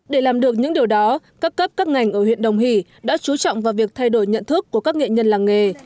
để làm được những điều đó các cấp các ngành ở huyện đồng hỷ đã chú trọng vào việc thay đổi nhận thức của các nghệ nhân làng nghề